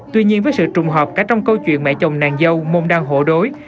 tuy nhiên với sự trùng hợp cả trong câu chuyện mẹ chồng nàng dâu môn đang hộ đối